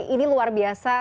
ini luar biasa